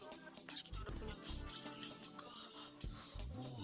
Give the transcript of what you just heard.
pas kita udah punya ini pesannya juga